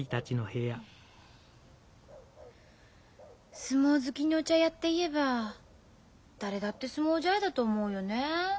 相撲好きに「お茶屋」って言えば誰だって相撲茶屋だと思うよねえ。